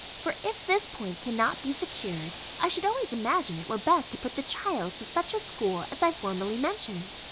For if this point cannot be secured, I should always imagine it were best to put the child to such a school, as I formerly mentioned.